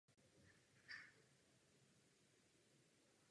Ve státě Baja California Sur neroste žádný jiný druh borovic.